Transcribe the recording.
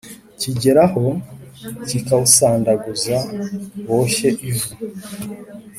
Kigeraho kikawusandaguza boshye ivu.